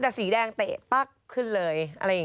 แต่สีแดงเตะปั๊กขึ้นเลย